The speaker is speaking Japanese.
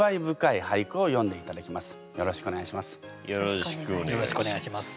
よろしくお願いします。